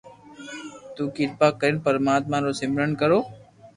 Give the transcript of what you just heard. تو ڪرپا ڪرين پرماتما رو سمرن ڪرو